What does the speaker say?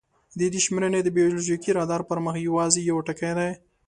د دې شمېرنه د بایولوژیکي رادار پر مخ یواځې یو ټکی دی.